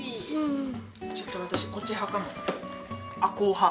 ちょっと私こっち派かも。